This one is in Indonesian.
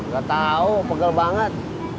gak tahu pegal banget